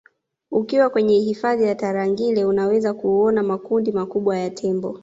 ukiwa kwenye hifadhi ya tarangire unaweza kuona makundi makubwa ya tembo